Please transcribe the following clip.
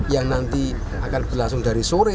yang nanti akan berlangsung dari sore